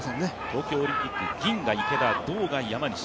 東京オリンピック銀が池田、銅が山西。